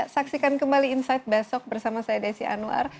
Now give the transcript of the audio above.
saksikan kembali insight besok bersama saya desi anwar